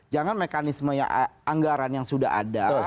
jangan mekanisme anggaran yang sudah ada